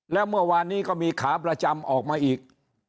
แล้วเมื่อวานนี้ก็มีขาประจำออกมาอีก